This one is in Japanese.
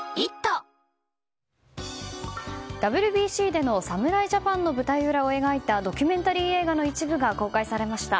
ＷＢＣでの侍ジャパンの舞台裏を描いたドキュメンタリー映画の一部が公開されました。